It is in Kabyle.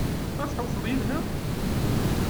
Ad tḥewwseḍ yid-neɣ?